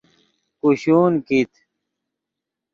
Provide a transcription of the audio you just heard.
کوشون کیت